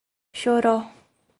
Choró